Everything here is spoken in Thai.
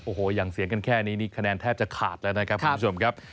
โอ้โหอย่างเสียงกันแค่นี้นี่คะแนนแทบจะขาดแล้วนะครับคุณผู้ชมครับ